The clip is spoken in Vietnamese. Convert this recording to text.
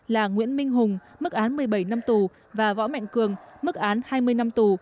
là nguyễn minh hùng mức án một mươi bảy năm tù và võ mạnh cường mức án hai mươi năm tù